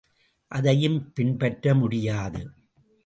அதையும் பின்பற்ற முடியாது.